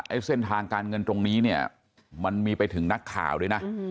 เส้นทางการเงินตรงนี้เนี่ยมันมีไปถึงนักข่าวด้วยนะ